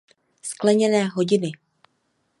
Skleněné hodiny.